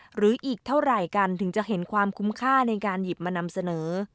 หรืออีกเท่าไหร่กันถึงจะเห็นความคุ้มค่าในการหยิบมานำเสนอ